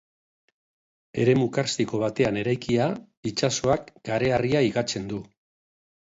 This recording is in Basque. Eremu karstiko batean eraikia, itsasoak kareharria higatzen du.